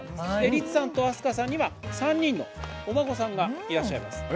率さんと明日香さんには３人のお孫さんがいらっしゃいます。